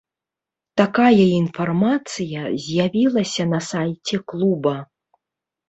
Такая інфармацыя з'явілася на сайце клуба.